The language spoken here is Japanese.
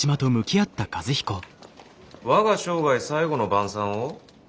「我が生涯最後の晩餐」を？